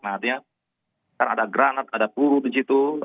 nah artinya kan ada granat ada puru di situ